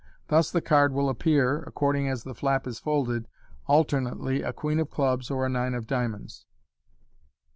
Thus the card will appear, according as the flap is folded, alternately a queen of clubs or nine of diamonds.